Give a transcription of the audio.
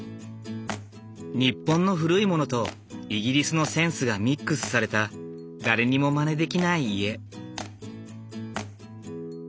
日本の古いものとイギリスのセンスがミックスされた誰にもまねできない家。